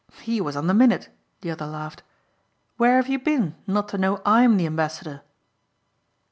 "He was on the minute," the other laughed, "Where have you been not to know I'm the ambassador?"